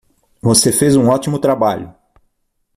Você fez um ótimo trabalho!